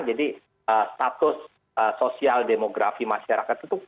jadi status sosial demografi masyarakat itu